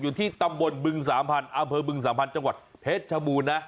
อยู่ที่ตำบลบึงสามพันธ์อำเภอบึงสามพันธ์จังหวัดเพชรชบูรณนะ